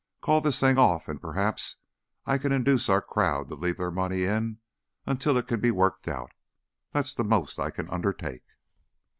Call this thing off and perhaps I can induce our crowd to leave their money in until it can be worked out. That's the most I can undertake."